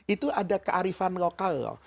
itu ada kearifan lokal